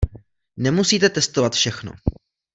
Nemusíte testovat všechno.